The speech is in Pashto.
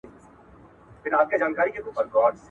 دا کتابونه د ماشومانو د مطالعې شوق زیاتوي.